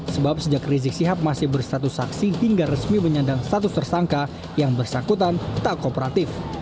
sebab sejak rizik sihab masih berstatus saksi hingga resmi menyandang status tersangka yang bersangkutan tak kooperatif